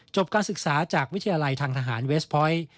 การศึกษาจากวิทยาลัยทางทหารเวสพอยต์